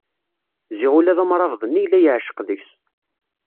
Ziɣ ula d amrabeḍ-nni yella yeɛceq deg-s.